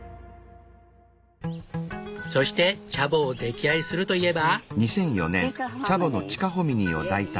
そしてチャボを溺愛するといえば。